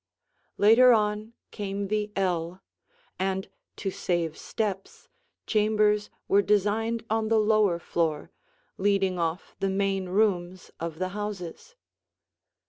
Later on came the ell, and, to save steps, chambers were designed on the lower floor, leading off the main rooms of the houses.